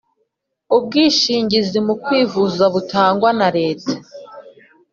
Ubwishingizi mukwivuza butangwa na leta